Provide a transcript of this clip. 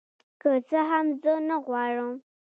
که څه هم زه نغواړم